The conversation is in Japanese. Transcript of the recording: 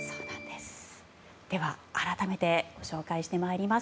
では、改めてご紹介してまいります。